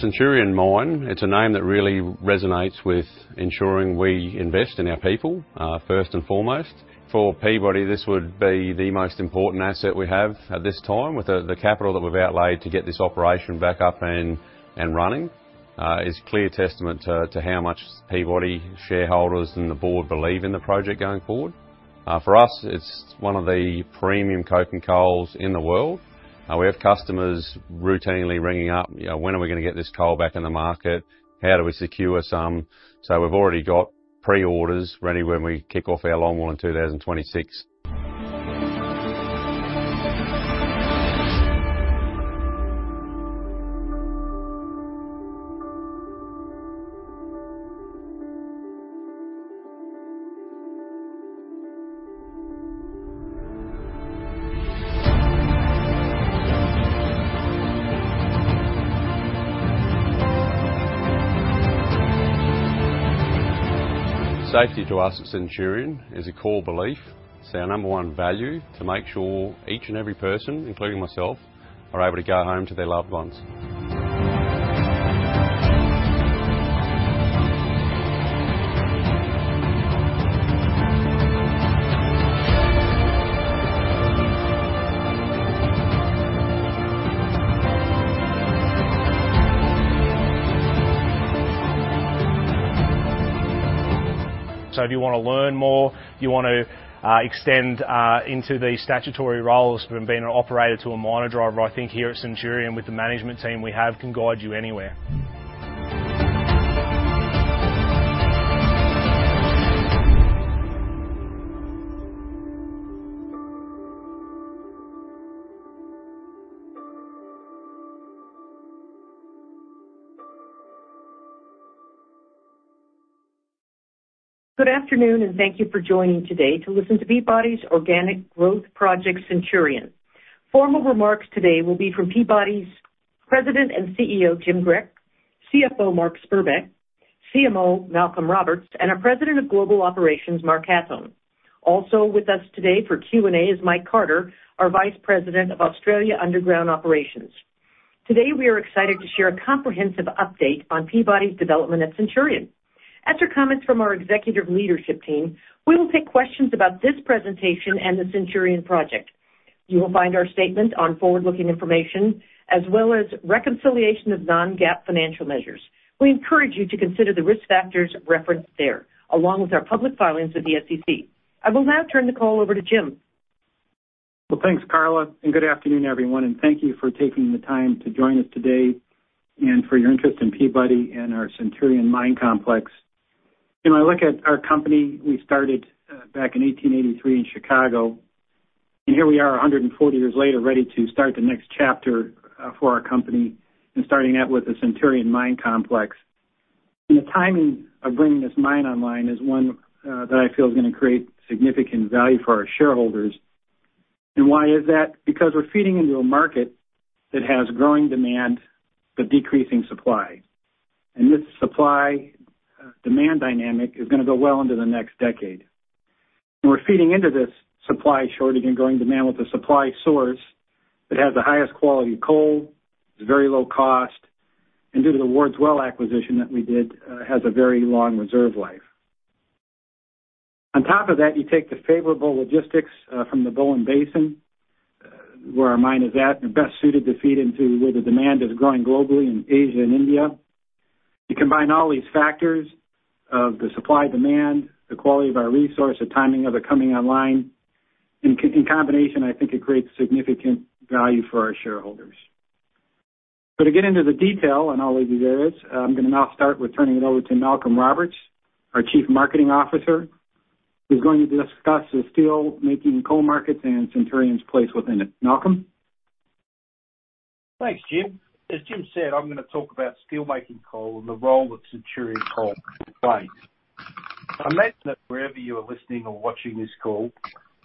Centurion Mine, it's a name that really resonates with ensuring we invest in our people first and foremost. For Peabody, this would be the most important asset we have at this time, with the capital that we've outlaid to get this operation back up and running. It's clear testament to how much Peabody shareholders and the board believe in the project going forward. For us, it's one of the premium coking coals in the world. We have customers routinely ringing up, you know, "When are we gonna get this coal back in the market? How do we secure some?" So we've already got pre-orders ready when we kick off our longwall in 2026. Safety to us at Centurion is a core belief. It's our number one value to make sure each and every person, including myself, are able to go home to their loved ones. If you wanna learn more, you want to extend into the statutory roles from being an operator to a miner driver, I think here at Centurion, with the management team we have, can guide you anywhere. Good afternoon, and thank you for joining today to listen to Peabody's Organic Growth Project Centurion. Formal remarks today will be from Peabody's President and CEO, Jim Grech, CFO, Mark Spurbeck, CMO, Malcolm Roberts, and our President of Global Operations, Mark Hathhorn. Also with us today for Q&A is Mike Carter, our Vice President of Australia Underground Operations. Today, we are excited to share a comprehensive update on Peabody's development at Centurion. After comments from our executive leadership team, we will take questions about this presentation and the Centurion project. You will find our statement on forward-looking information, as well as reconciliation of non-GAAP financial measures. We encourage you to consider the risk factors referenced there, along with our public filings with the SEC. I will now turn the call over to Jim. Well, thanks, Karla, and good afternoon, everyone, and thank you for taking the time to join us today, and for your interest in Peabody and our Centurion Mine Complex. When I look at our company, we started back in 1883 in Chicago, and here we are, a 140 years later, ready to start the next chapter for our company, and starting out with the Centurion Mine Complex. And the timing of bringing this mine online is one that I feel is gonna create significant value for our shareholders. And why is that? Because we're feeding into a market that has growing demand but decreasing supply. And this supply demand dynamic is gonna go well into the next decade. And we're feeding into this supply shortage and growing demand with a supply source that has the highest quality coal, it's very low cost, and due to the Wards Well acquisition that we did, has a very long reserve life. On top of that, you take the favorable logistics from the Bowen Basin, where our mine is at, and best suited to feed into where the demand is growing globally in Asia and India. You combine all these factors of the supply, demand, the quality of our resource, the timing of it coming online, in combination, I think it creates significant value for our shareholders. So to get into the detail on all of these areas, I'm gonna now start with turning it over to Malcolm Roberts, our Chief Marketing Officer, who's going to discuss the steelmaking coal markets and Centurion's place within it. Malcolm? Thanks, Jim. As Jim said, I'm gonna talk about steelmaking coal and the role that Centurion Coal plays. I imagine that wherever you are listening or watching this call,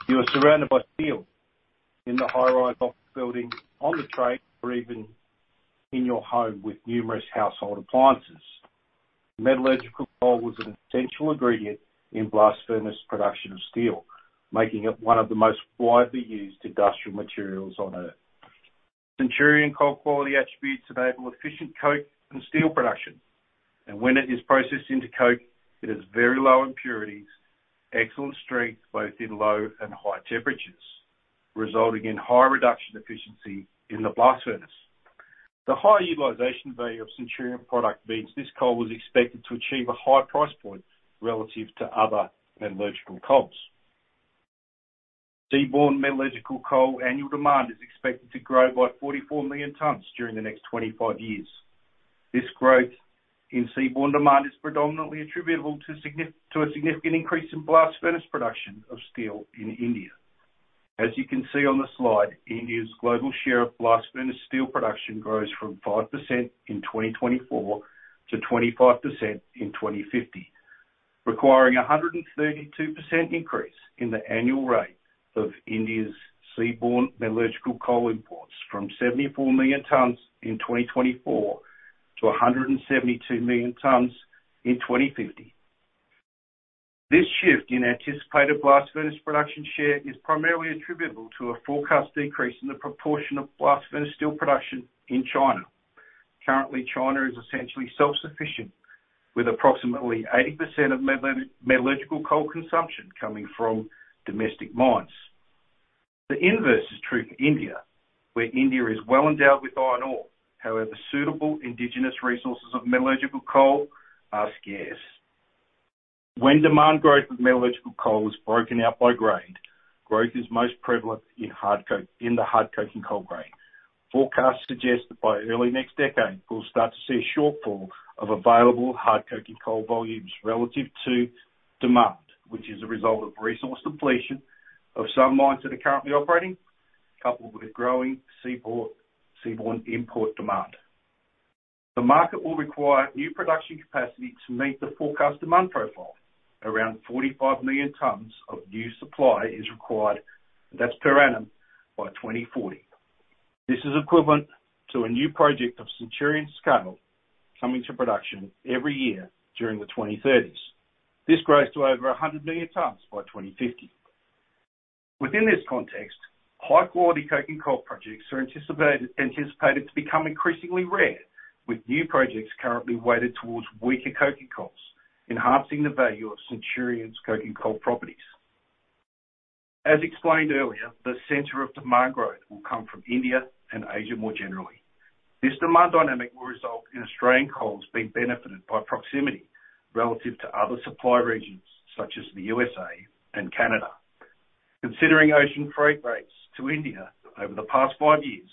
you are surrounded by steel, in the high-rise office building, on the train, or even in your home with numerous household appliances. Metallurgical coal is an essential ingredient in blast furnace production of steel, making it one of the most widely used industrial materials on Earth. Centurion Coal quality attributes enable efficient coke and steel production, and when it is processed into coke, it has very low impurities, excellent strength, both in low and high temperatures, resulting in high reduction efficiency in the blast furnace. The high utilization value of Centurion Coal product means this coal is expected to achieve a high price point relative to other metallurgical coals. Seaborne metallurgical coal annual demand is expected to grow by 44 million tons during the next 25 years. This growth in seaborne demand is predominantly attributable to a significant increase in blast furnace production of steel in India. As you can see on the slide, India's global share of blast furnace steel production grows from 5% in 2024 to 25% in 2050, requiring a 132% increase in the annual rate of India's seaborne metallurgical coal imports from 74 million tons in 2024 to 172 million tons in 2050. This shift in anticipated blast furnace production share is primarily attributable to a forecast decrease in the proportion of blast furnace steel production in China. Currently, China is essentially self-sufficient, with approximately 80% of metallurgical coal consumption coming from domestic mines. The inverse is true for India, where India is well endowed with iron ore. However, suitable indigenous resources of metallurgical coal are scarce. When demand growth of metallurgical coal is broken out by grade, growth is most prevalent in hard coke, in the hard coking coal grade. Forecasts suggest that by early next decade, we'll start to see a shortfall of available hard coking coal volumes relative to demand, which is a result of resource depletion of some mines that are currently operating, coupled with growing seaborne import demand. The market will require new production capacity to meet the forecast demand profile. Around 45 million tons of new supply is required, that's per annum, by 2040. This is equivalent to a new project of Centurion scale coming to production every year during the 2030s. This grows to over 100 million tons by 2050. Within this context, high-quality coking coal projects are anticipated to become increasingly rare, with new projects currently weighted towards weaker coking coals, enhancing the value of Centurion's coking coal properties. As explained earlier, the center of demand growth will come from India and Asia more generally. This demand dynamic will result in Australian coals being benefited by proximity relative to other supply regions such as the USA and Canada. Considering ocean freight rates to India over the past five years,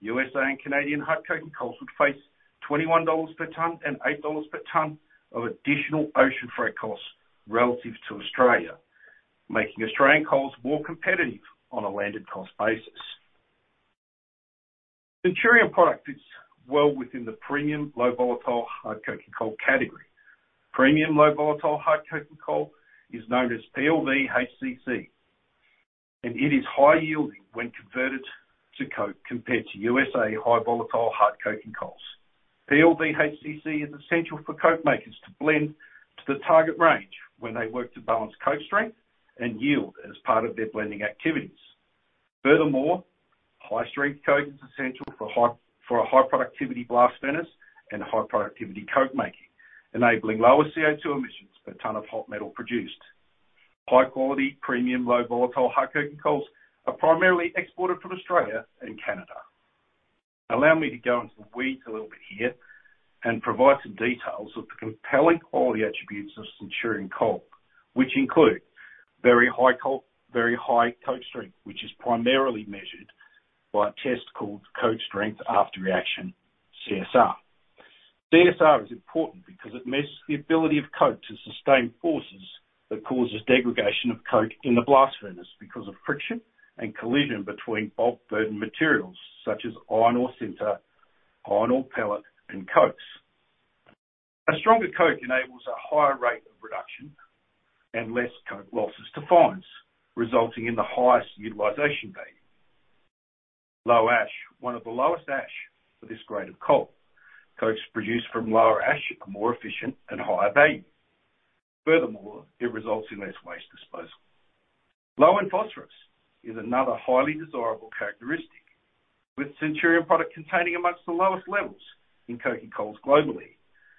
USA and Canadian hard coking coals would face $21 per ton and $8 per ton of additional ocean freight costs relative to Australia, making Australian coals more competitive on a landed cost basis. Centurion product fits well within the premium low volatile hard coking coal category. Premium low volatile hard coking coal is known as PLVHCC, and it is high yielding when converted to coke compared to USA high volatile hard coking coals. PLVHCC is essential for coke makers to blend to the target range when they work to balance coke strength and yield as part of their blending activities. Furthermore, high-strength coke is essential for a high productivity blast furnace and high productivity coke making, enabling lower CO2 emissions per ton of hot metal produced. High quality premium low volatile hard coking coals are primarily exported from Australia and Canada. Allow me to go into the weeds a little bit here and provide some details of the compelling quality attributes of Centurion Coal, which include very high coke strength, which is primarily measured by a test called coke strength after reaction, CSR. CSR is important because it measures the ability of coke to sustain forces that cause degradation of coke in the blast furnace because of friction and collision between bulk burden materials such as iron ore sinter, iron ore pellet, and cokes. A stronger coke enables a higher rate of reduction and less coke losses to fines, resulting in the highest utilization rate. Low ash, one of the lowest ash for this grade of coal. Coke produced from lower ash is more efficient and higher value. Furthermore, it results in less waste disposal. Low in phosphorus is another highly desirable characteristic, with Centurion product containing among the lowest levels in coking coals globally.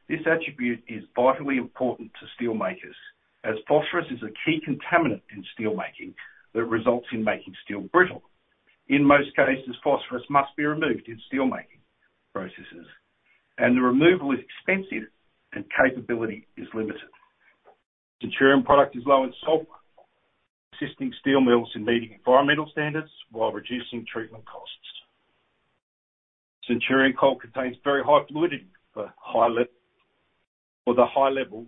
This attribute is vitally important to steel makers, as phosphorus is a key contaminant in steelmaking that results in making steel brittle. In most cases, phosphorus must be removed in steelmaking processes, and the removal is expensive and capability is limited. Centurion product is low in sulfur, assisting steel mills in meeting environmental standards while reducing treatment costs. Centurion Coal contains very high fluidity with a high level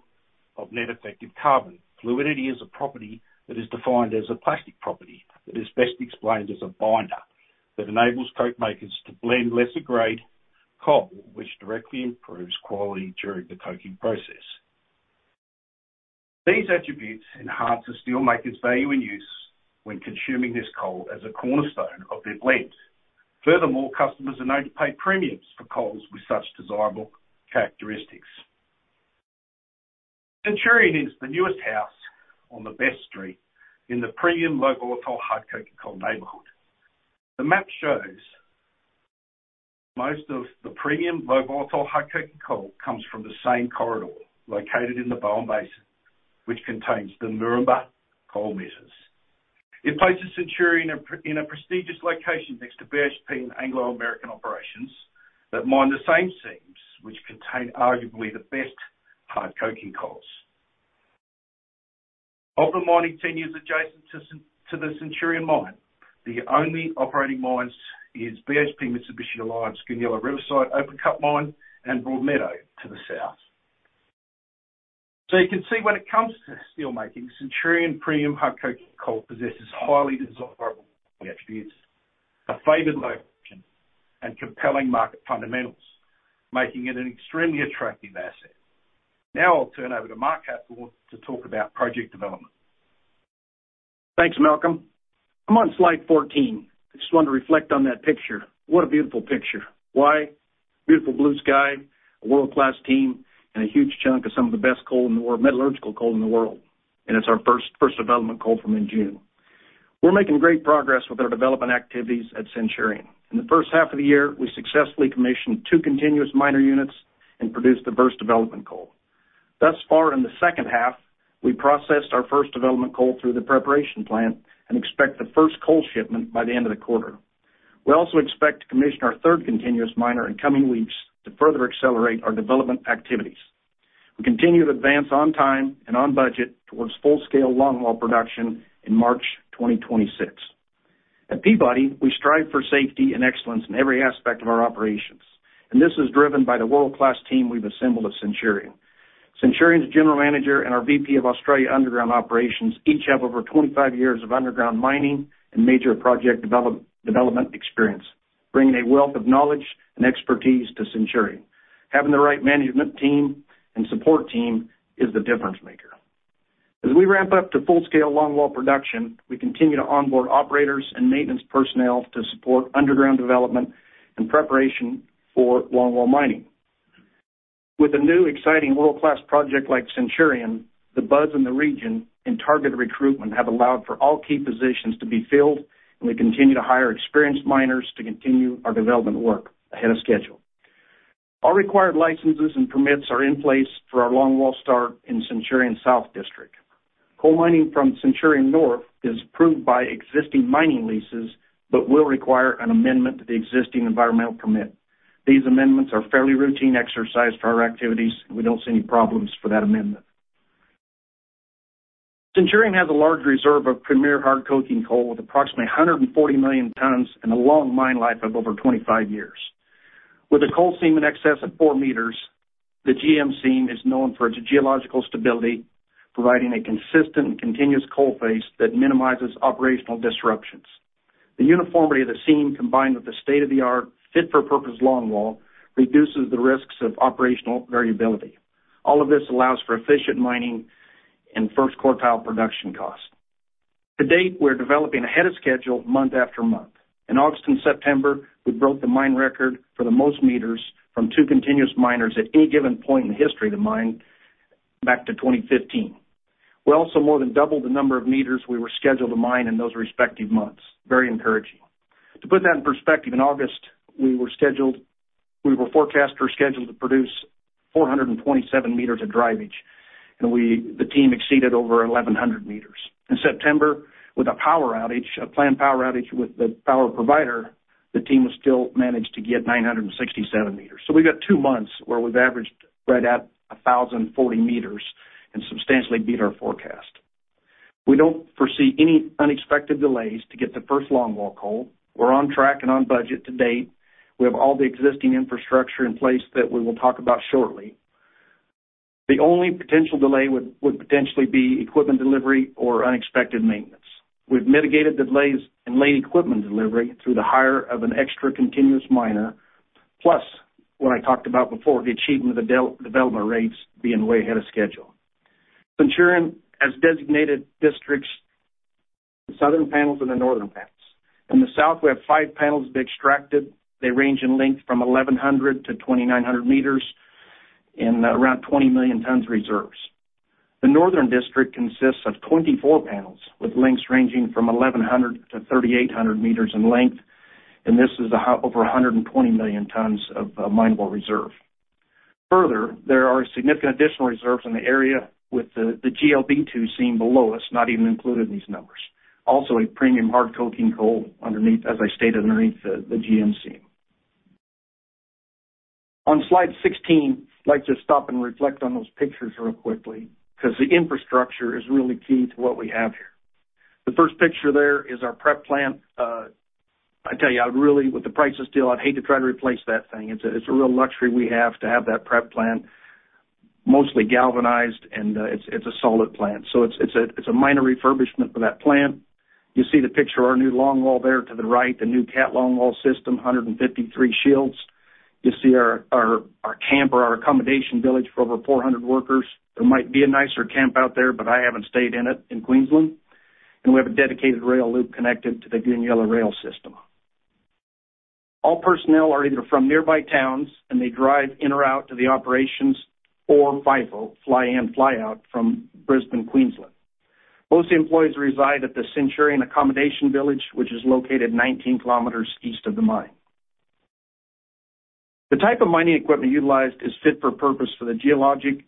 of net effective carbon. Fluidity is a property that is defined as a plastic property, that is best explained as a binder, that enables coke makers to blend lesser grade coal, which directly improves quality during the coking process. These attributes enhance the steelmaker's value and use when consuming this coal as a cornerstone of their blend. Furthermore, customers are known to pay premiums for coals with such desirable characteristics. Centurion is the newest house on best street in the premium low volatile hard coking coal neighborhood. The premium low volatile hard coking coal comes from the same corridor located in the Bowen Basin, which contains the Moranbah Coal Measures. It places Centurion in a prestigious location next to BHP and Anglo American operations that mine the same seams, which contain arguably the best hard coking coals. Open mining tenures adjacent to the Centurion Mine, the only operating mines is BHP Mitsubishi Alliance, Goonyella Riverside Open Cut Mine, and Broadmeadow to the south. So you can see when it comes to steel making, Centurion premium hard coking coal possesses highly desirable attributes, a favored location, and compelling market fundamentals, making it an extremely attractive asset. Now I'll turn over to Mark Hathorn to talk about project development. Thanks, Malcolm. I'm on slide fourteen. I just wanted to reflect on that picture. What a beautiful picture. Why? Beautiful blue sky, a world-class team, and a huge chunk of some of the best coal in the world, metallurgical coal in the world, and it's our first, first development coal from in June. We're making great progress with our development activities at Centurion. In the first half of the year, we successfully commissioned two continuous miner units and produced the first development coal. Thus far in the second half, we processed our first development coal through the preparation plant and expect the first coal shipment by the end of the quarter. We also expect to commission our third continuous miner in coming weeks to further accelerate our development activities. We continue to advance on time and on budget towards full-scale longwall production in March 2026. At Peabody, we strive for safety and excellence in every aspect of our operations, and this is driven by the world-class team we've assembled at Centurion. Centurion's general manager and our VP of Australia Underground Operations each have over 25 years of underground mining and major project development experience, bringing a wealth of knowledge and expertise to Centurion. Having the right management team and support team is the difference maker. As we ramp up to full-scale longwall production, we continue to onboard operators and maintenance personnel to support underground development and preparation for longwall mining. With a new, exciting world-class project like Centurion, the buzz in the region and targeted recruitment have allowed for all key positions to be filled, and we continue to hire experienced miners to continue our development work ahead of schedule. All required licenses and permits are in place for our longwall start in Centurion South District. Coal mining from Centurion North is approved by existing mining leases, but will require an amendment to the existing environmental permit. These amendments are a fairly routine exercise for our activities, and we don't see any problems for that amendment. Centurion has a large reserve of premium hard coking coal, with approximately 140 million tons and a long mine life of over 25 years. With a coal seam in excess of four meters, the GM Seam is known for its geological stability, providing a consistent and continuous coal face that minimizes operational disruptions. The uniformity of the seam, combined with the state-of-the-art, fit-for-purpose longwall, reduces the risks of operational variability. All of this allows for efficient mining and first quartile production cost. To date, we're developing ahead of schedule, month after month. In August and September, we broke the mine record for the most meters from two continuous miners at any given point in the history of the mine back to 2015. We also more than doubled the number of meters we were scheduled to mine in those respective months. Very encouraging. To put that in perspective, in August, we were scheduled--we were forecast or scheduled to produce 427 m of drivage, and the team exceeded over 1,000 m. In September, with a power outage, a planned power outage with the power provider, the team still managed to get 967 m. So we've got two months where we've averaged right at a 1,040 m and substantially beat our forecast. We don't foresee any unexpected delays to get the first longwall coal. We're on track and on budget to date. We have all the existing infrastructure in place that we will talk about shortly. The only potential delay would potentially be equipment delivery or unexpected maintenance. We've mitigated delays in late equipment delivery through the hire of an extra continuous miner, plus what I talked about before, the achievement of the development rates being way ahead of schedule. Centurion has designated districts, the southern panels and the northern panels. In the south, we have five panels to be extracted. They range in length from 1,100 m-2,900 meters and around 20 million tons of reserves. The northern district consists of 24 panels, with lengths ranging from 1,100 m-3,800 m in length, and this is over 120 million tons of mineable reserve. Further, there are significant additional reserves in the area with the GLB-2 seam below us, not even included in these numbers. Also, a premium hard coking coal underneath, as I stated, underneath the GM Seam. On Slide 16, I'd like to stop and reflect on those pictures real quickly, because the infrastructure is really key to what we have here. The first picture there is our prep plant. I tell you, I would really, with the prices still, I'd hate to try to replace that thing. It's a real luxury we have to have that prep plant, mostly galvanized, and it's a solid plant. So it's a minor refurbishment for that plant. You see the picture of our new longwall there to the right, the new Cat longwall system, 153 shields. You see our camp or our accommodation village for over 400 workers. There might be a nicer camp out there, but I haven't stayed in it in Queensland. We have a dedicated rail loop connected to the Goonyella Rail System. All personnel are either from nearby towns, and they drive in or out to the operations, or FIFO, Fly in, Fly out, from Brisbane, Queensland. Most employees reside at the Centurion Accommodation Village, which is located 19 km east of the mine. The type of mining equipment utilized is fit for purpose for the geological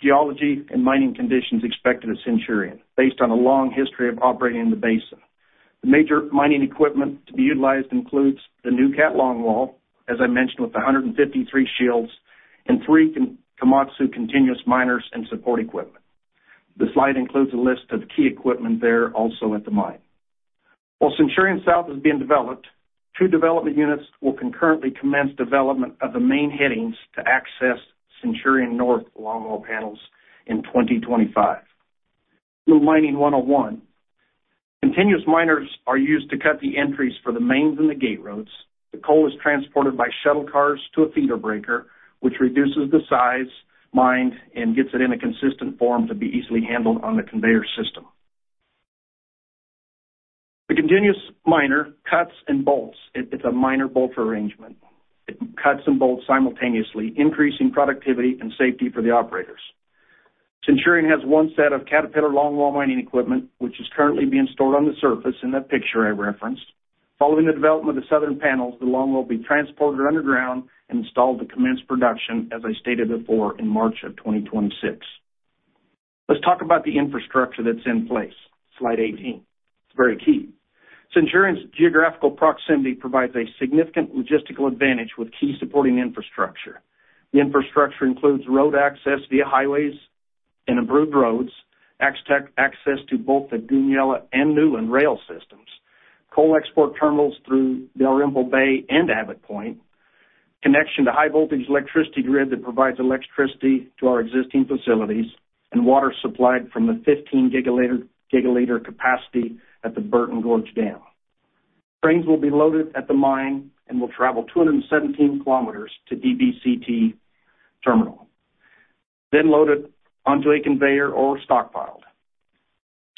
and mining conditions expected at Centurion, based on a long history of operating in the basin. The major mining equipment to be utilized includes the new Cat longwall, as I mentioned, with 153 shields and 3 Komatsu continuous miners and support equipment. The slide includes a list of key equipment there also at the mine. While Centurion South is being developed, two development units will concurrently commence development of the main headings to access Centurion North longwall panels in 2025. Mining 101. Continuous miners are used to cut the entries for the mains and the gate roads. The coal is transported by shuttle cars to a feeder breaker, which reduces the size, mined, and gets it in a consistent form to be easily handled on the conveyor system. The continuous miner cuts and bolts. It's a miner bolter arrangement. It cuts and bolts simultaneously, increasing productivity and safety for the operators. Centurion has one set of Caterpillar longwall mining equipment, which is currently being stored on the surface in that picture I referenced. Following the development of the southern panels, the longwall will be transported underground and installed to commence production, as I stated before, in March of 2026. Let's talk about the infrastructure that's in place, Slide 18. It's very key. Centurion's geographical proximity provides a significant logistical advantage with key supporting infrastructure. The infrastructure includes road access via highways and improved roads, access to both the Goonyella and Newlands rail systems, coal export terminals through Dalrymple Bay and Abbot Point, connection to high-voltage electricity grid that provides electricity to our existing facilities, and water supplied from the 15 GL capacity at the Burton Gorge Dam. Trains will be loaded at the mine and will travel 217 km to DBCT terminal, then loaded onto a conveyor or stockpiled.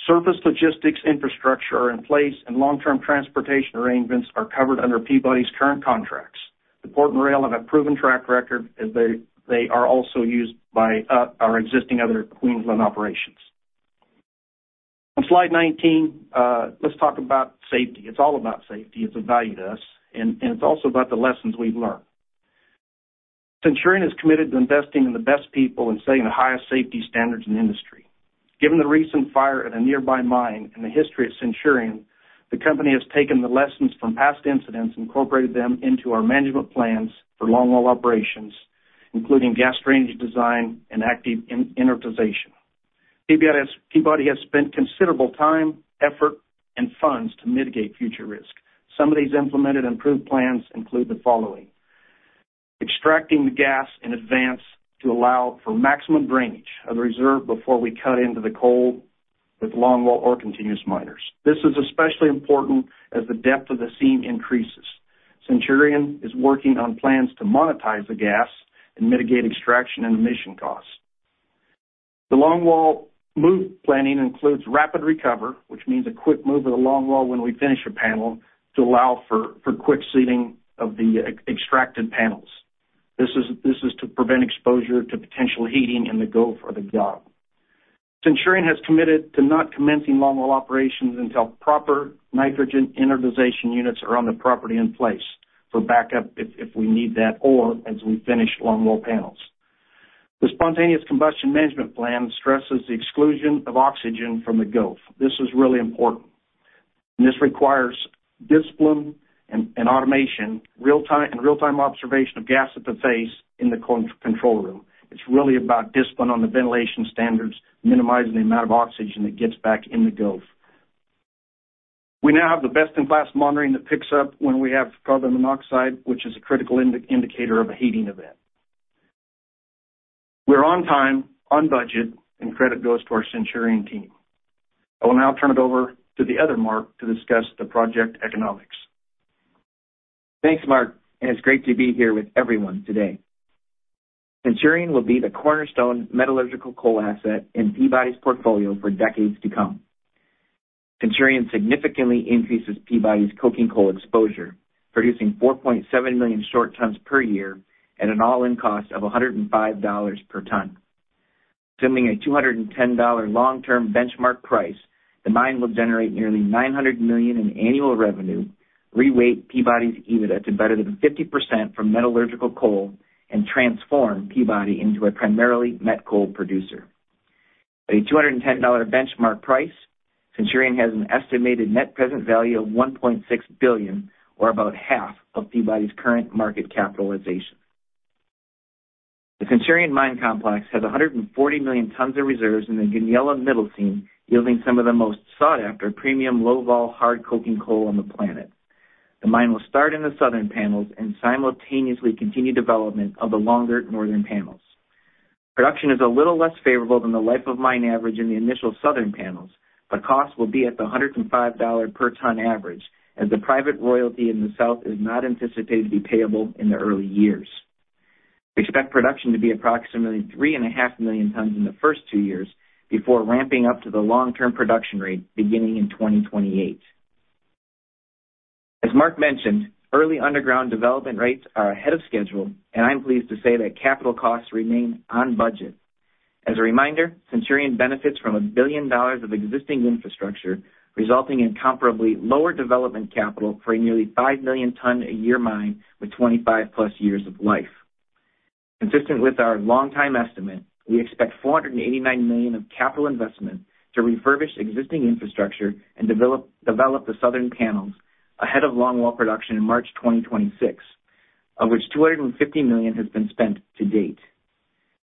Surface logistics infrastructure are in place, and long-term transportation arrangements are covered under Peabody's current contracts. The port and rail have a proven track record, as they are also used by our existing other Queensland operations. On Slide 19, let's talk about safety. It's all about safety. It's a value to us, and it's also about the lessons we've learned. Centurion is committed to investing in the best people and setting the highest safety standards in the industry. Given the recent fire at a nearby mine and the history of Centurion, the company has taken the lessons from past incidents and incorporated them into our management plans for longwall operations, including gas drainage design and active inertization. Peabody has spent considerable time, effort, and funds to mitigate future risk. Some of these implemented improved plans include the following: extracting the gas in advance to allow for maximum drainage of the reserve before we cut into the coal with longwall or continuous miners. This is especially important as the depth of the seam increases. Centurion is working on plans to monetize the gas and mitigate extraction and emission costs. The longwall move planning includes rapid recovery, which means a quick move of the longwall when we finish a panel, to allow for quick seating of the extracted panels. This is to prevent exposure to potential heating in the goaf or the gaff. Centurion has committed to not commencing longwall operations until proper nitrogen inertization units are on the property in place for backup if we need that or as we finish longwall panels. The spontaneous combustion management plan stresses the exclusion of oxygen from the goaf. This is really important, and this requires discipline and automation, real-time observation of gas at the face in the control room. It's really about discipline on the ventilation standards, minimizing the amount of oxygen that gets back in the goaf. We now have the best-in-class monitoring that picks up when we have carbon monoxide, which is a critical indicator of a heating event. We're on time, on budget, and credit goes to our Centurion team. I will now turn it over to the other Mark to discuss the project economics. Thanks, Mark, and it's great to be here with everyone today. Centurion will be the cornerstone metallurgical coal asset in Peabody's portfolio for decades to come. Centurion significantly increases Peabody's coking coal exposure, producing 4.7 million short tons per year at an all-in cost of $105 per ton. Assuming a $210 long-term benchmark price, the mine will generate nearly $900 million in annual revenue, reweight Peabody's EBITDA to better than 50% from metallurgical coal and transform Peabody into a primarily met coal producer. At a $210 benchmark price, Centurion has an estimated net present value of $1.6 billion, or about half of Peabody's current market capitalization. The Centurion Mine Complex has 140 million tons of reserves in the Goonyella Middle Seam, yielding some of the most sought-after premium, low-vol, hard coking coal on the planet. The mine will start in the southern panels and simultaneously continue development of the longer northern panels. Production is a little less favorable than the life of mine average in the initial southern panels, but costs will be at the $105 per ton average, as the private royalty in the south is not anticipated to be payable in the early years. We expect production to be approximately 3.5 million tons in the first two years before ramping up to the long-term production rate beginning in 2028. As Mark mentioned, early underground development rates are ahead of schedule, and I'm pleased to say that capital costs remain on budget. As a reminder, Centurion benefits from $1 billion of existing infrastructure, resulting in comparably lower development capital for a nearly 5 million ton a year mine with 25+ years of life. Consistent with our long-time estimate, we expect $489 million of capital investment to refurbish existing infrastructure and develop the southern panels ahead of longwall production in March 2026, of which $250 million has been spent to date.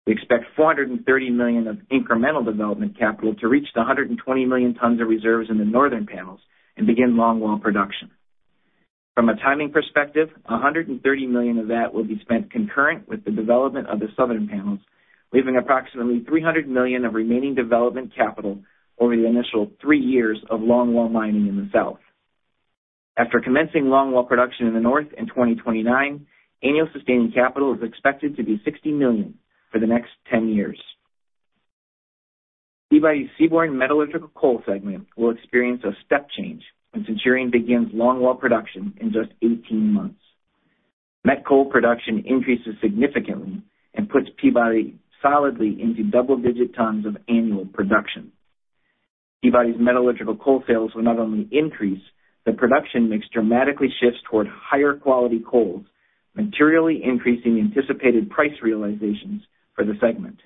We expect $430 million of incremental development capital to reach the 120 million tons of reserves in the northern panels and begin longwall production. From a timing perspective, $130 million of that will be spent concurrent with the development of the southern panels, leaving approximately $300 million of remaining development capital over the initial three years of longwall mining in the south. After commencing longwall production in the north in 2029, annual sustaining capital is expected to be $60 million for the next 10 years. Peabody's seaborne metallurgical coal segment will experience a step change when Centurion begins longwall production in just eighteen months. Met coal production increases significantly and puts Peabody solidly into double-digit tons of annual production. Peabody's metallurgical coal sales will not only increase. The production mix dramatically shifts toward higher-quality coals, materially increasing anticipated price realizations for the segment.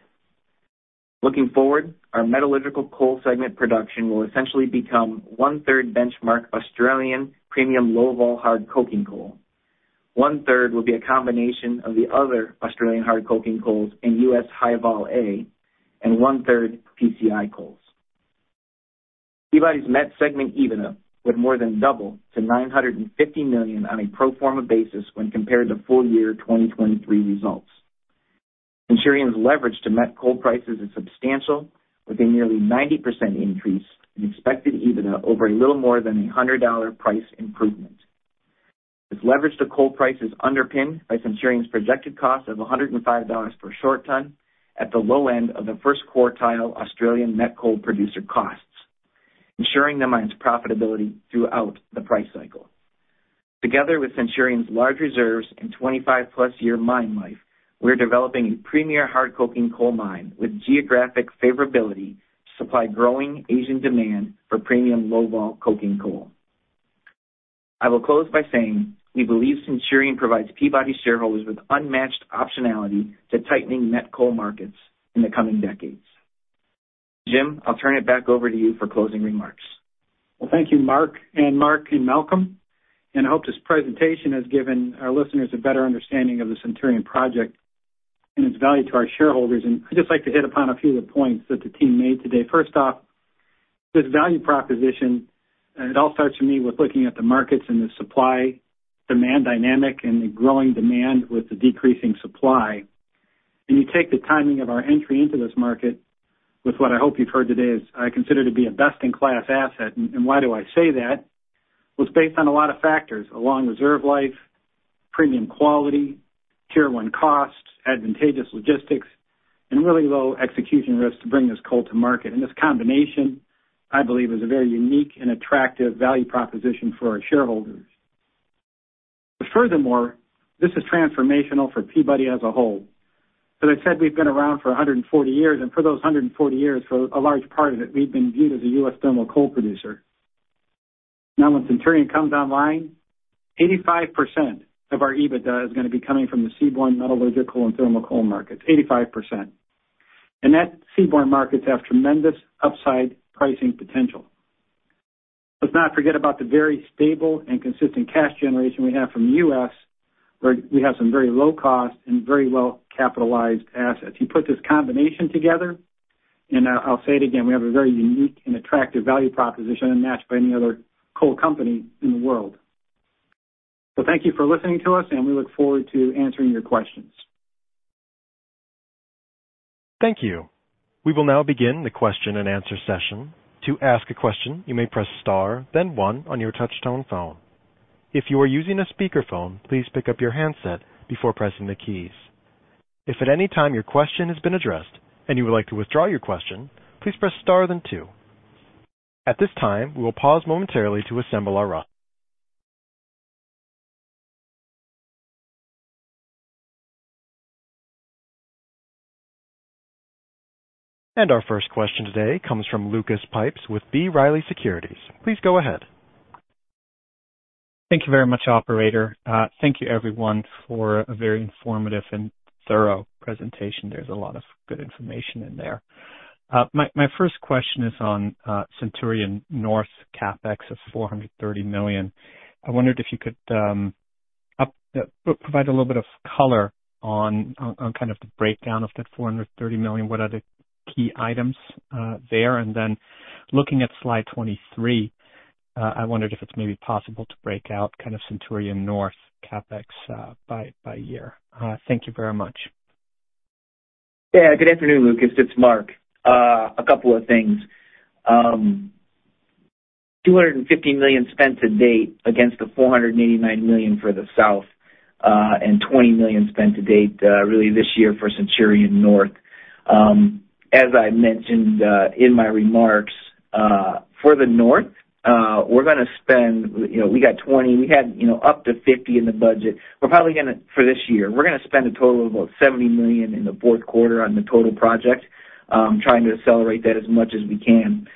Looking forward, our metallurgical coal segment production will essentially become one-third benchmark Australian premium, low-vol hard coking coal. One-third will be a combination of the other Australian hard coking coals and U.S. High-Vol A, and one-third PCI coals. Peabody's met segment EBITDA would more than double to $950 million on a pro forma basis when compared to full year 2023 results. Centurion's leverage to met coal prices is substantial, with a nearly 90% increase in expected EBITDA over a little more than a $100 price improvement. This leverage to coal price is underpinned by Centurion's projected cost of $105 per short ton, at the low end of the first quartile Australian met coal producer costs, ensuring the mine's profitability throughout the price cycle. Together with Centurion's large reserves and 25+ year mine life, we're developing a premier hard coking coal mine with geographic favorability to supply growing Asian demand for premium low-vol coking coal. I will close by saying, we believe Centurion provides Peabody shareholders with unmatched optionality to tightening met coal markets in the coming decades. Jim, I'll turn it back over to you for closing remarks. Thank you, Mark and Mark and Malcolm, and I hope this presentation has given our listeners a better understanding of the Centurion project and its value to our shareholders. I'd just like to hit upon a few of the points that the team made today. First off, this value proposition, it all starts for me with looking at the markets and the supply-demand dynamic and the growing demand with the decreasing supply. You take the timing of our entry into this market with what I hope you've heard today is, I consider to be a best-in-class asset. Why do I say that? It's based on a lot of factors: a long reserve life, premium quality, Tier One costs, advantageous logistics, and really low execution risk to bring this coal to market. This combination, I believe, is a very unique and attractive value proposition for our shareholders. But furthermore, this is transformational for Peabody as a whole. As I said, we've been around for a 140 years, and for those 140 years, for a large part of it, we've been viewed as a U.S. thermal coal producer. Now, when Centurion comes online, 85% of our EBITDA is gonna be coming from the seaborne metallurgical and thermal coal markets, 85%. And that seaborne markets have tremendous upside pricing potential. Let's not forget about the very stable and consistent cash generation we have from the U.S., where we have some very low cost and very well-capitalized assets. You put this combination together, and, I'll say it again, we have a very unique and attractive value proposition, unmatched by any other coal company in the world. Thank you for listening to us, and we look forward to answering your questions. Thank you. We will now begin the question-and-answer session. To ask a question, you may press star, then one on your touchtone phone. If you are using a speakerphone, please pick up your handset before pressing the keys. If at any time your question has been addressed and you would like to withdraw your question, please press star, then two. At this time, we will pause momentarily to assemble our line. And our first question today comes from Lucas Pipes with B. Riley Securities. Please go ahead. Thank you very much, operator. Thank you, everyone, for a very informative and thorough presentation. There's a lot of good information in there. My first question is on Centurion North CapEx of $430 million. I wondered if you could provide a little bit of color on kind of the breakdown of that $430 million. What are the key items there? And then looking at Slide 23, I wondered if it's maybe possible to break out kind of Centurion North CapEx by year. Thank you very much. Yeah, good afternoon, Lucas. It's Mark. A couple of things. $250 million spent to date against the $489 million for the South, and $20 million spent to date, really this year for Centurion North. As I mentioned, in my remarks, for the North, we're gonna spend, you know, we got $20 million, we had, you know, up to $50 million in the budget. We're probably gonna, or this year, we're gonna spend a total of about $70 million in the fourth quarter on the total project, trying to accelerate that as much as we can.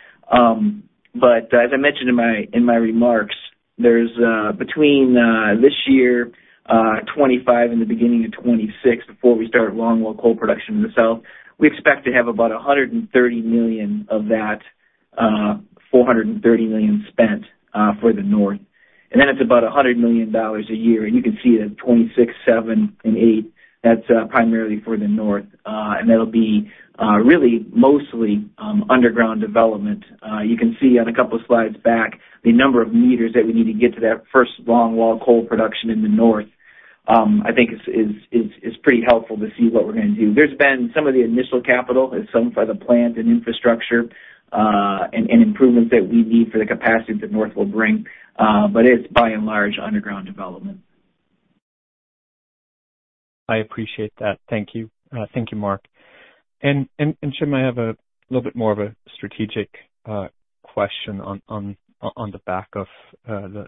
But as I mentioned in my remarks, there's between this year, 2025 and the beginning of 2026, before we start longwall coal production in the South, we expect to have about $130 million of that $430 million spent for the North. And that's about $100 million a year, and you can see it at 2026, 2027, and 2028. That's primarily for the North. And that'll be really mostly underground development. You can see on a couple of slides back, the number of meters that we need to get to that first longwall coal production in the North. I think is pretty helpful to see what we're gonna do. There's been some of the initial capital and some for the plant and infrastructure, and improvements that we need for the capacity that North will bring, but it's by and large underground development. I appreciate that. Thank you. Thank you, Mark. And Jim, I have a little bit more of a strategic question on the back of the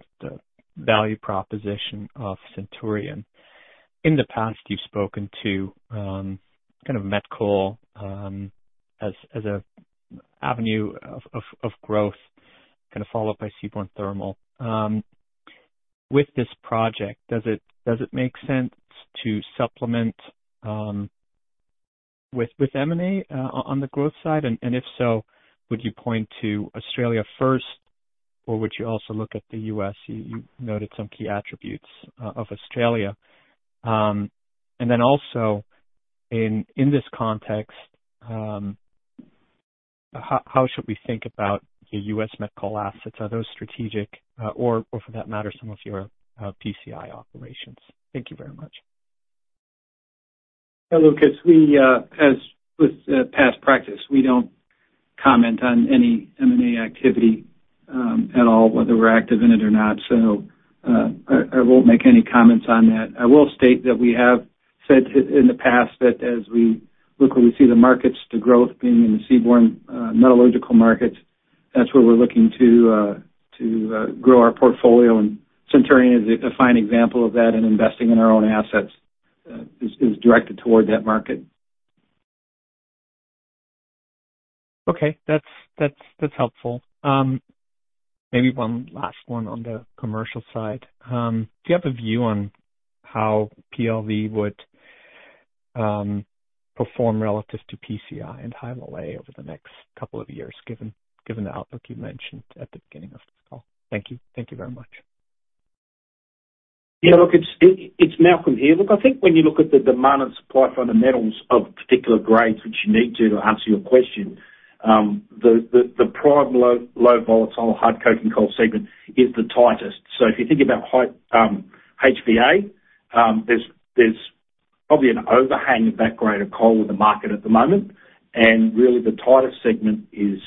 value proposition of Centurion. In the past, you've spoken to kind of met coal as a avenue of growth, kind of followed by seaborne thermal. With this project, does it make sense to supplement with M&A on the growth side? And if so, would you point to Australia first, or would you also look at the U.S.? You noted some key attributes of Australia. And then also, in this context, how should we think about the U.S. met coal assets? Are those strategic or for that matter, some of your PCI operations? Thank you very much. Hi, Lucas. We, as with, past practice, we don't comment on any M&A activity, at all, whether we're active in it or not. So, I won't make any comments on that. I will state that we have said in the past that as we look where we see the markets to growth being in the seaborne metallurgical markets, that's where we're looking to grow our portfolio. And Centurion is a fine example of that, and investing in our own assets is directed toward that market. Okay, that's helpful. Maybe one last one on the commercial side. Do you have a view on how PLV would perform relative to PCI and High-Vol A over the next couple of years, given the outlook you mentioned at the beginning of this call? Thank you. Thank you very much. Yeah, look, it's Malcolm here. Look, I think when you look at the demand and supply fundamentals of particular grades, which you need to answer your question, the premium low volatile hard coking coal segment is the tightest. So if you think about high HVA, there's probably an overhang of that grade of coal in the market at the moment, and really the tightest segment is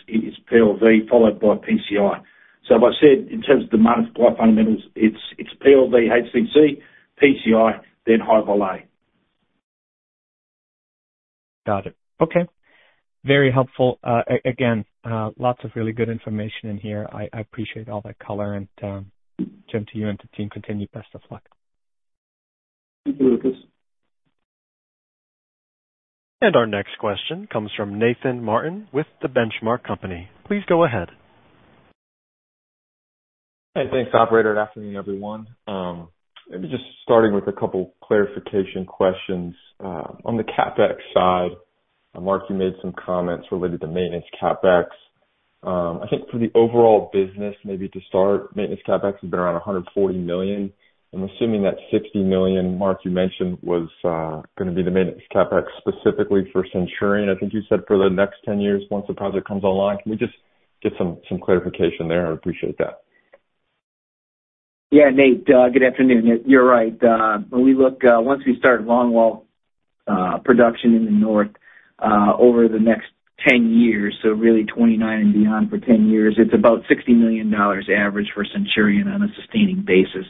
PLV, followed by PCI. So as I said, in terms of demand and supply fundamentals, it's PLV, HCC, PCI, then High-Vol A. Got it. Okay. Very helpful. Again, lots of really good information in here. I appreciate all that color, and, Jim, to you and the team, continue. Best of luck. Thank you, Lucas. Our next question comes from Nathan Martin with The Benchmark Company. Please go ahead. Hey, thanks, operator. Good afternoon, everyone. Maybe just starting with a couple clarification questions. On the CapEx side, Mark, you made some comments related to maintenance CapEx. I think for the overall business, maybe to start, maintenance CapEx has been around $140 million. I'm assuming that $60 million, Mark, you mentioned, was gonna be the maintenance CapEx specifically for Centurion. I think you said for the next 10 years, once the project comes online. Can we just get some clarification there? I'd appreciate that. Yeah, Nate, good afternoon. You're right. When we look, once we start longwall production in the north, over the next 10 years, so really 2029 and beyond for 10 years, it's about $60 million average for Centurion on a sustaining basis.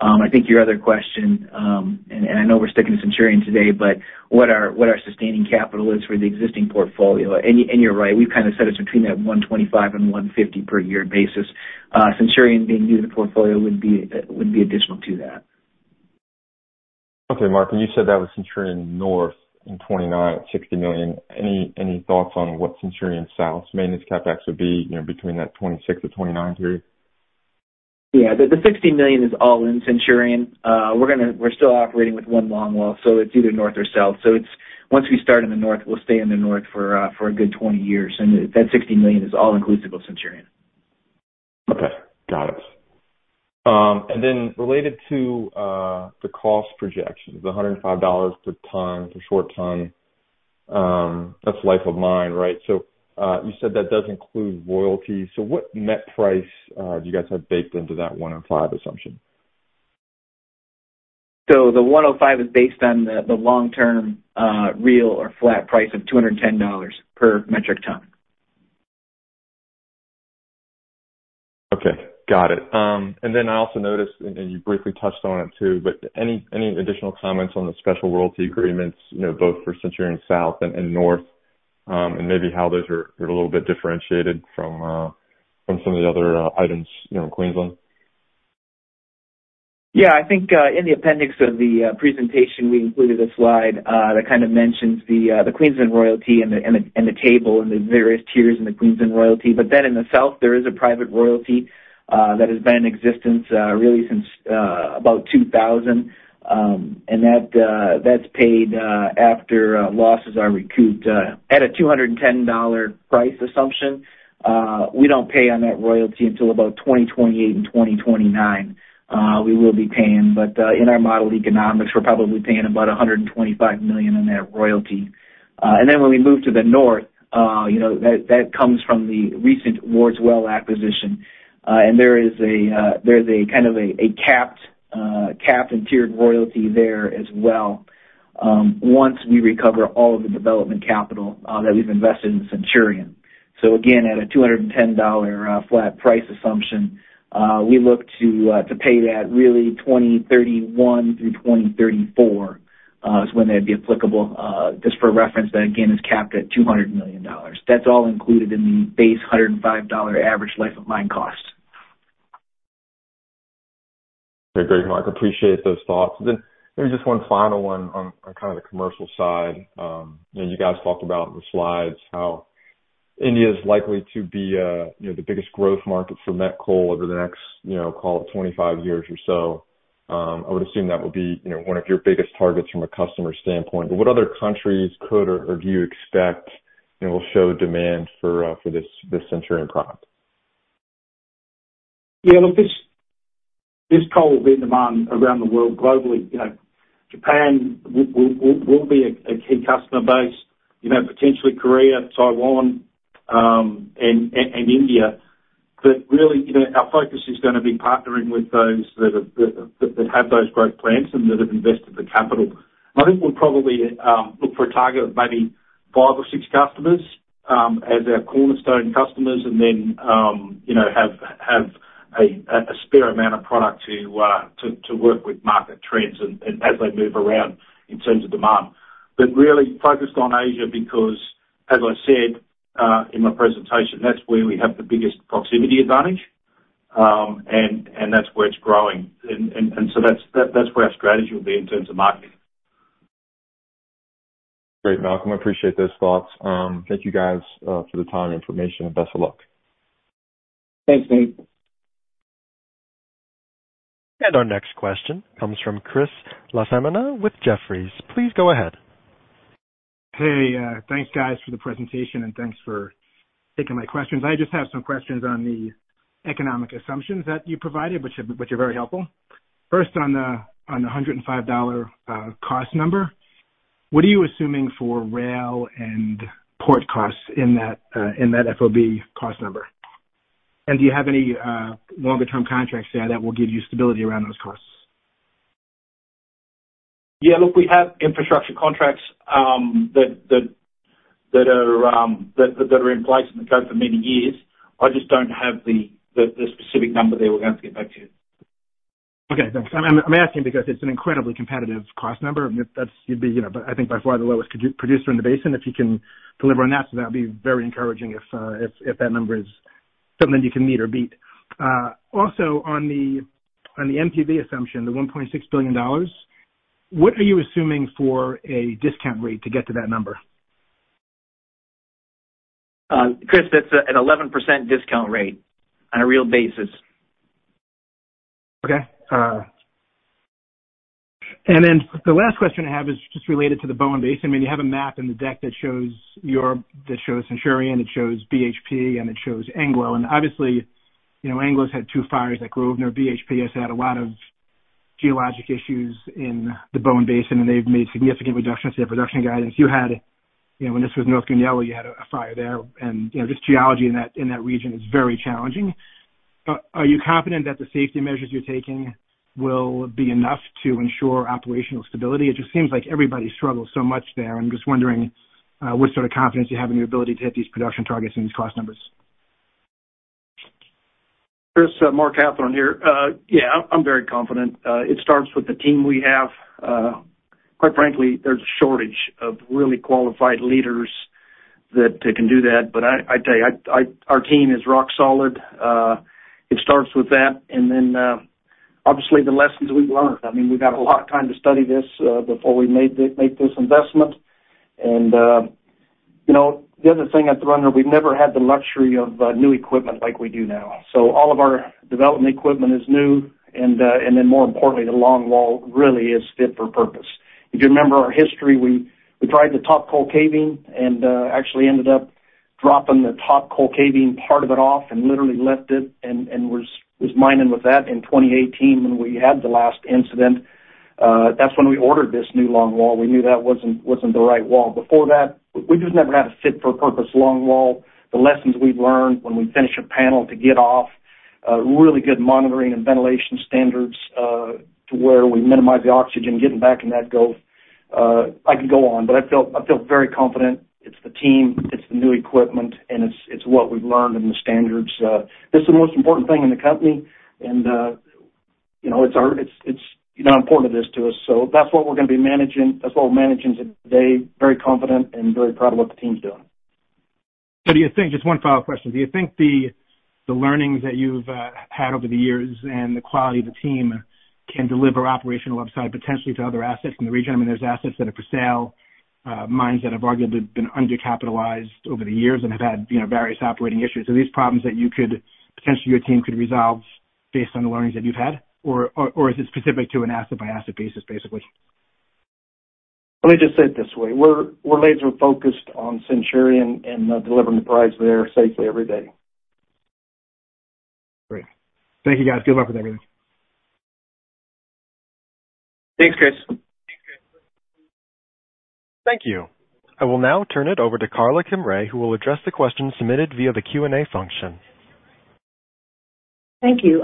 I think your other question, and I know we're sticking to Centurion today, but what our sustaining capital is for the existing portfolio, and you're right, we've kind of said it's between $125 million and $150 million per year basis. Centurion being new to the portfolio would be additional to that. Okay, Mark, and you said that was Centurion North in 2029, $60 million. Any thoughts on what Centurion South's maintenance CapEx would be, you know, between that 2026 to 2029 period? Yeah, the $60 million is all in Centurion. We're gonna. We're still operating with one longwall, so it's either north or south. So it's, once we start in the north, we'll stay in the north for a good 20 years, and that $60 million is all inclusive of Centurion. Okay, got it. And then related to the cost projections, the $105 per ton, per short ton, that's life of mine, right? So, you said that does include royalties, so what net price do you guys have baked into that $105 assumption? So the $105 is based on the long-term real or flat price of $210 per metric ton. Okay, got it. And then I also noticed, and you briefly touched on it too, but any additional comments on the special royalty agreements, you know, both for Centurion South and North, and maybe how those are a little bit differentiated from some of the other items, you know, in Queensland? Yeah. I think in the appendix of the presentation, we included a slide that kind of mentions the Queensland royalty and the table and the various tiers in the Queensland royalty. But then in the south, there is a private royalty that has been in existence really since about 2000. And that that's paid after losses are recouped at a $210 price assumption. We don't pay on that royalty until about 2028 and 2029, we will be paying. But in our model economics, we're probably paying about $125 million on that royalty. And then when we move to the north, you know, that that comes from the recent Wards Well acquisition. And there is a kind of a capped and tiered royalty there as well, once we recover all of the development capital that we've invested in Centurion. So again, at a $210 flat price assumption, we look to pay that really 2031 through 2034, is when that'd be applicable. Just for reference, that again is capped at $200 million. That's all included in the base $105 average life of mine cost. Okay, great, Mark, appreciate those thoughts. Then maybe just one final one on kind of the commercial side. You know, you guys talked about in the slides how India is likely to be, you know, the biggest growth market for met coal over the next, you know, call it 25 years or so. I would assume that would be, you know, one of your biggest targets from a customer standpoint. But what other countries could or do you expect, you know, will show demand for this Centurion product? Yeah, look, this coal will be in demand around the world globally. You know, Japan will be a key customer base. You know, potentially Korea, Taiwan, and India. But really, you know, our focus is gonna be partnering with those that have those growth plans and that have invested the capital. I think we'll probably look for a target of maybe five or six customers as our cornerstone customers and then, you know, have a spare amount of product to work with market trends and as they move around in terms of demand. But really focused on Asia, because as I said in my presentation, that's where we have the biggest proximity advantage, and that's where it's growing. And so that's where our strategy will be in terms of marketing. Great, Malcolm, I appreciate those thoughts. Thank you, guys, for the time and information, and best of luck. Thanks, Nate. And our next question comes from Chris LaFemina with Jefferies. Please go ahead. Hey, thanks, guys, for the presentation, and thanks for taking my questions. I just have some questions on the economic assumptions that you provided, which are very helpful. First, on the $105 cost number, what are you assuming for rail and port costs in that FOB cost number? And do you have any longer term contracts there that will give you stability around those costs? Yeah, look, we have infrastructure contracts that are in place and that go for many years. I just don't have the specific number there. We're gonna have to get back to you. Okay, thanks. I'm asking because it's an incredibly competitive cost number, and if that's you'd be, you know, by far the lowest producer in the basin, if you can deliver on that, so that'd be very encouraging if that number is something you can meet or beat. Also on the NPV assumption, the $1.6 billion, what are you assuming for a discount rate to get to that number? Chris, that's an 11% discount rate on a real basis. Okay, and then the last question I have is just related to the Bowen Basin. I mean, you have a map in the deck that shows Centurion, it shows BHP, and it shows Anglo. And obviously, you know, Anglo's had two fires at Grosvenor. BHP has had a lot of geologic issues in the Bowen Basin, and they've made significant reductions to their production guidance. You had, you know, when this was North Goonyella, you had a fire there, and, you know, just geology in that region is very challenging. Are you confident that the safety measures you're taking will be enough to ensure operational stability? It just seems like everybody struggles so much there. I'm just wondering what sort of confidence you have in your ability to hit these production targets and these cost numbers. Chris, Mark Hathorn here. Yeah, I'm very confident. It starts with the team we have. Quite frankly, there's a shortage of really qualified leaders that can do that. But I tell you, our team is rock solid. It starts with that, and then obviously, the lessons we've learned. I mean, we've had a lot of time to study this before we made this investment. And you know, the other thing at the old one, we've never had the luxury of new equipment like we do now. So all of our development equipment is new, and then more importantly, the longwall really is fit for purpose. If you remember our history, we tried the top coal caving and actually ended up dropping the top coal caving part of it off and literally left it and was mining with that in 2018 when we had the last incident. That's when we ordered this new longwall. We knew that wasn't the right wall. Before that, we just never had a fit for purpose longwall. The lessons we've learned when we finish a panel to get off really good monitoring and ventilation standards to where we minimize the oxygen getting back in that goaf. I could go on, but I feel very confident. It's the team, it's the new equipment, and it's what we've learned and the standards. This is the most important thing in the company, and you know, it's our, it's, you know, how important it is to us. So that's what we're gonna be managing, that's what we're managing today. Very confident and very proud of what the team's doing. Just one final question. Do you think the learnings that you've had over the years and the quality of the team can deliver operational upside potentially to other assets in the region? I mean, there's assets that are for sale, mines that have arguably been undercapitalized over the years and have had, you know, various operating issues. So these problems that you could, potentially your team could resolve based on the learnings that you've had, or is it specific to an asset-by-asset basis, basically? Let me just say it this way: We're laser focused on Centurion and delivering the prize there safely every day. Great. Thank you, guys. Good luck with everything. Thanks, Chris. Thank you. I will now turn it over to Karla Kimrey, who will address the questions submitted via the Q&A function. Thank you.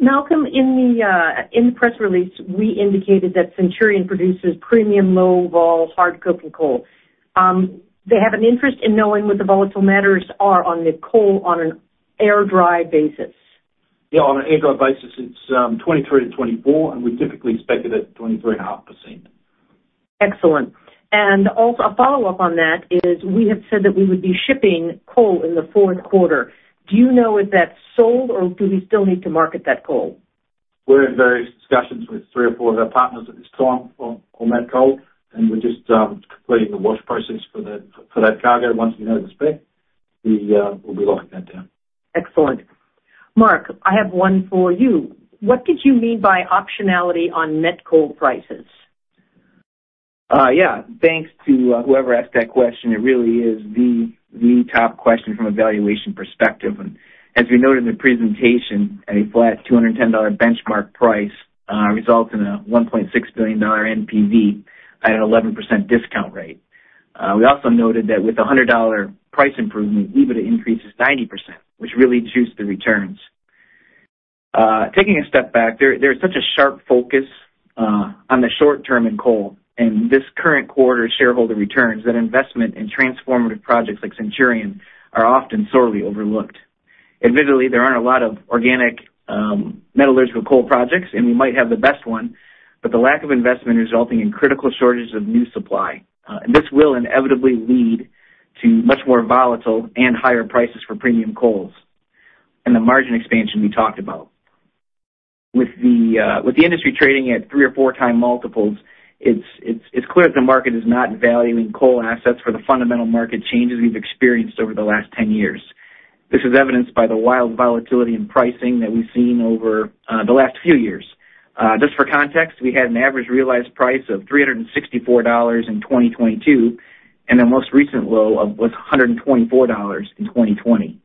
Malcolm, in the press release, we indicated that Centurion produces premium, low-vol hard coking coal. They have an interest in knowing what the volatile matters are on the coal on an air dry basis. Yeah, on an air dry basis, it's 23%-24%, and we typically spec it at 23.5%. Excellent. And also, a follow-up on that is we have said that we would be shipping coal in the fourth quarter. Do you know if that's sold, or do we still need to market that coal? We're in various discussions with three or four of our partners at this time on that coal, and we're just completing the wash process for that cargo. Once we know the spec, we'll be locking that down. Excellent. Mark, I have one for you. What did you mean by optionality on net coal prices? Yeah. Thanks to whoever asked that question, it really is the, the top question from a valuation perspective. And as we noted in the presentation, a flat $210 benchmark price results in a $1.6 billion NPV at an 11% discount rate. We also noted that with a $100 price improvement, EBITDA increases 90%, which really juices the returns. Taking a step back, there's such a sharp focus on the short term in coal and this current quarter's shareholder returns, that investment in transformative projects like Centurion are often sorely overlooked. Admittedly, there aren't a lot of organic metallurgical coal projects, and we might have the best one, but the lack of investment resulting in critical shortages of new supply, and this will inevitably lead to much more volatile and higher prices for premium coals and the margin expansion we talked about. With the industry trading at three or four times multiples, it's clear that the market is not valuing coal assets for the fundamental market changes we've experienced over the last 10 years. This is evidenced by the wild volatility in pricing that we've seen over the last few years. Just for context, we had an average realized price of $364 in 2022, and the most recent low was $124 in 2020.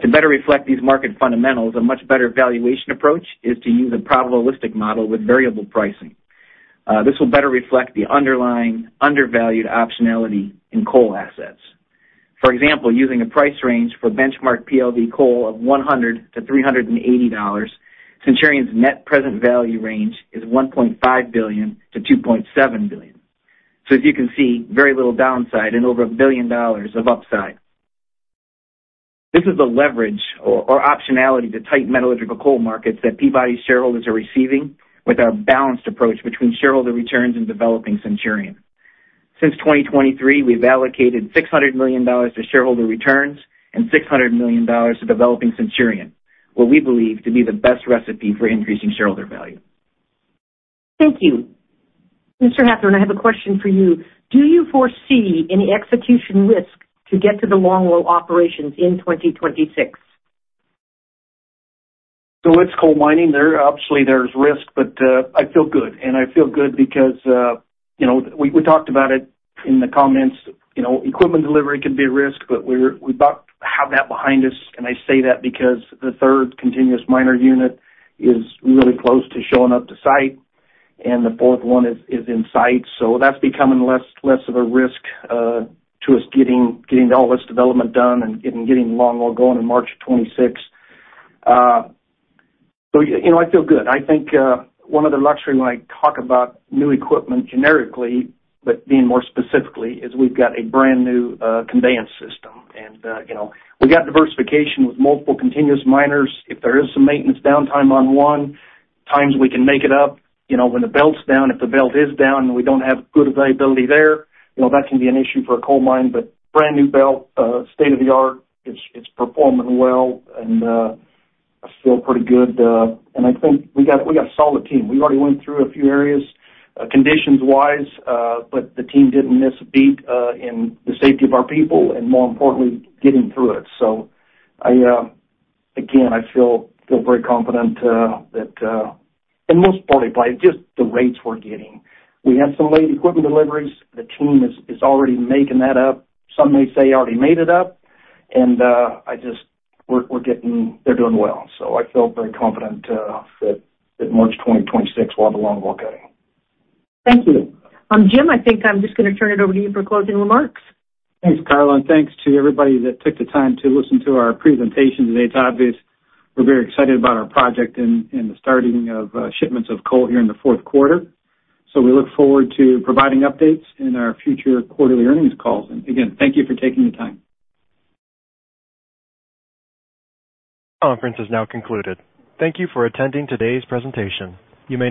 To better reflect these market fundamentals, a much better valuation approach is to use a probabilistic model with variable pricing. This will better reflect the underlying undervalued optionality in coal assets. For example, using a price range for benchmark PLV coal of $100-$380, Centurion's net present value range is $1.5 billion-$2.7 billion. So as you can see, very little downside and over $1 billion of upside. This is the leverage or optionality to tight metallurgical coal markets that Peabody shareholders are receiving with our balanced approach between shareholder returns and developing Centurion. Since 2023, we've allocated $600 million to shareholder returns and $600 million to developing Centurion, what we believe to be the best recipe for increasing shareholder value. Thank you. Mr. Hathhorn, I have a question for you. Do you foresee any execution risk to get to the longwall operations in 2026? So it's coal mining. Obviously, there's risk, but I feel good, and I feel good because you know, we talked about it in the comments. You know, equipment delivery can be a risk, but we're about to have that behind us, and I say that because the third continuous miner unit is really close to showing up to site, and the fourth one is in sight. So that's becoming less of a risk to us getting all this development done and getting longwall going in March of 2026. So you know, I feel good. I think one other luxury when I talk about new equipment generically, but being more specifically, is we've got a brand-new conveyor system. And you know, we've got diversification with multiple continuous miners. If there is some maintenance downtime on one, times we can make it up. You know, when the belt's down, if the belt is down and we don't have good availability there, you know, that can be an issue for a coal mine, but brand-new belt, state-of-the-art, it's performing well, and I feel pretty good. And I think we got a solid team. We've already went through a few areas, conditions-wise, but the team didn't miss a beat in the safety of our people, and more importantly, getting through it. So again, I feel very confident that. And most importantly, by just the rates we're getting. We had some late equipment deliveries. The team is already making that up. Some may say they already made it up, and we're getting. They're doing well, so I feel very confident that March twenty twenty-six, we'll have the longwall cutting. Thank you. Jim, I think I'm just gonna turn it over to you for closing remarks. Thanks, Karla, and thanks to everybody that took the time to listen to our presentation today. It's obvious we're very excited about our project and the starting of shipments of coal here in the fourth quarter. So we look forward to providing updates in our future quarterly earnings calls. And again, thank you for taking the time. Conference is now concluded. Thank you for attending today's presentation. You may disconnect.